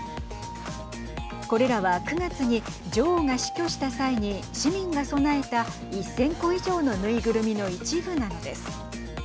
これらは９月に女王が死去した際に市民が供えた１０００個以上のぬいぐるみの一部なのです。